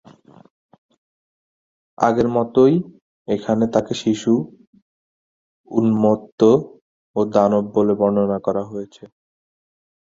আগের মতোই এখানে তাকে শিশু, উন্মত্ত ও দানব বলে বর্ণনা করা হয়েছে।